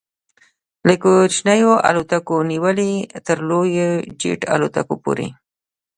له کوچنیو الوتکو نیولې تر لویو جيټ الوتکو پورې